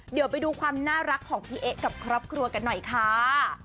เดี๋ยวไปดูความน่ารักของพี่เอ๊ะกับครอบครัวกันหน่อยค่ะ